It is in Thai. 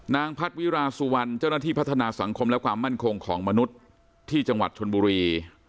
พัดวิราสุวรรณเจ้าหน้าที่พัฒนาสังคมและความมั่นคงของมนุษย์ที่จังหวัดชนบุรี